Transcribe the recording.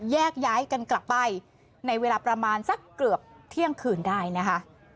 แยกย้ายกันกลับไปในเวลาประมาณสักเกือบเที่ยงคืนได้นะคะ